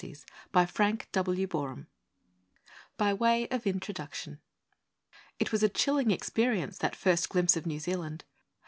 CHRISTMAS BELLS 265 BY WAY OF INTRODUCTION It was a chilling experience, that first glimpse of New Zealand!